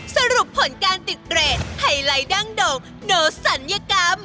สรุปผลการติดเกด